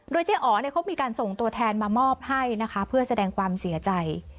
โดยเจ๊อ๋อเขามีการส่งตัวแทนมามอบให้นะคะเพื่อแสดงความเสียใจ